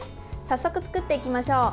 早速、作っていきましょう。